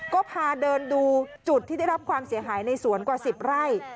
ก็พาเดินดูจุดที่ได้รับความเสียหายในสวนกว่า๑๐ไร่